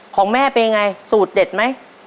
ของแม่เป็นยังไงสูตรเด็ดไหม